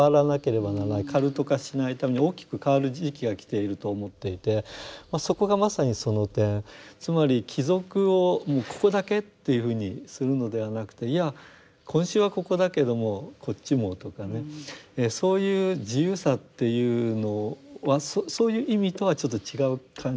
カルト化しないために大きく変わる時期が来ていると思っていてそこがまさにその点つまり帰属をもうここだけというふうにするのではなくていや今週はここだけどもこっちもとかねそういう自由さっていうのはそういう意味とはちょっと違う感じでしょうか。